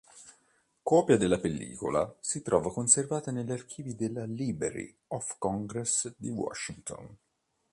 Copia della pellicola si trova conservata negli archivi della Library of Congress di Washington.